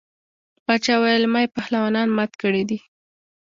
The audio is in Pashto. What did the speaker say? باچا ویل ما یې پهلوانان مات کړي دي.